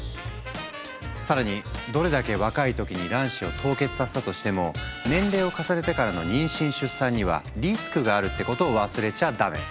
更にどれだけ若い時に卵子を凍結させたとしても年齢を重ねてからの妊娠出産にはリスクがあるってことを忘れちゃダメ！